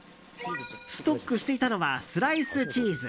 ストックしていたのはスライスチーズ。